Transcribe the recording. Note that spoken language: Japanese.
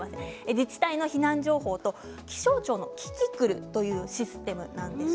自治体の避難情報と気象庁のキキクルというシステムなんです。